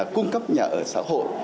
cung cấp nhà ở xã hội